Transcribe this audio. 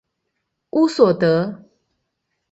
乌索德。